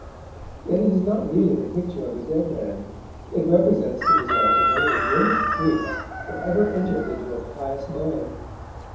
Yet it is not really the picture of a dead man: it represents the result of one of the grimmest freaks that ever entered into a pious mind.